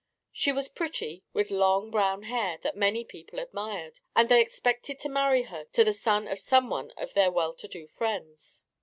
She was pretty, with long brown hair that many people admired, and they expected to marry her to the son of some one of their well to do friends.